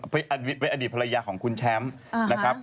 เป็นอดีตภรรยาของคุณแชมป์นะครับ